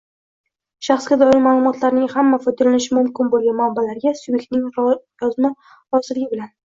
Shaxsga doir ma’lumotlarning hamma foydalanishi mumkin bo‘lgan manbalariga subyektning yozma roziligi bilan